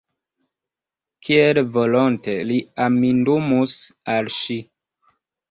Kiel volonte li amindumus al ŝi!